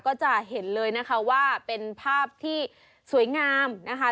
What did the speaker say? ก็จะเห็นเลยนะคะว่าเป็นภาพที่สวยงามนะคะ